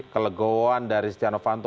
kelegoan dari setia novanto